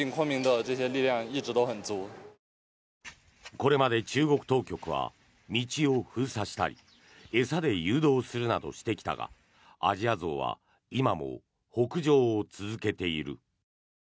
これまで中国当局は道を封鎖したり餌で誘導するなどしてきたがアジアゾウは今も北上を続けている。